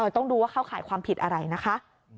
ต้องดูว่าเข้าข่ายความผิดอะไรนะคะ